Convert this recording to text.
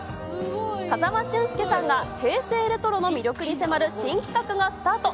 風間俊介さんが平成レトロの魅力に迫る新企画がスタート。